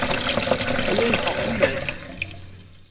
Aya yeffeɣ fell-ak.